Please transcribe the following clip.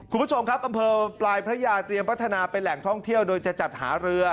คุณผู้ชมครับอำเภอปลายพระยาเตรียมพัฒนาเป็นแหล่งท่องเที่ยวโดยจะจัดหาเรือ